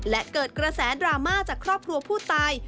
และเกิดกระแสดราม่าจากครอบครัวผู้ตาย